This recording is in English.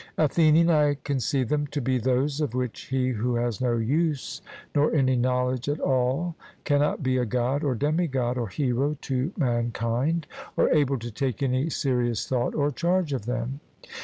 ATHENIAN: I conceive them to be those of which he who has no use nor any knowledge at all cannot be a God, or demi god, or hero to mankind, or able to take any serious thought or charge of them.